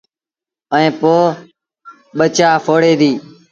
ائيٚݩ پو ٻچآ ڦوڙي ديٚ۔